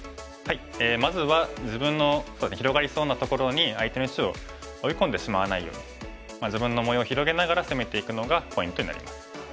まずは自分の広がりそうなところに相手の石を追い込んでしまわないように自分の模様を広げながら攻めていくのがポイントになります。